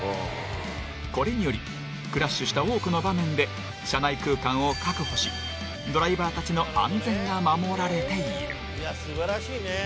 これによりクラッシュした多くの場面で車内空間を確保しドライバーたちの安全が守られている。